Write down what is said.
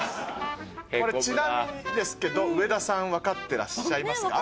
ちなみにですけど上田さんわかってらっしゃいますか？